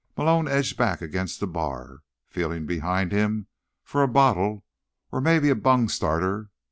Malone edged back against the bar, feeling behind him for a bottle or maybe a bungstarter.